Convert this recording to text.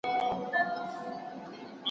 دولت خپل مالي سیستم عصري کړی دی.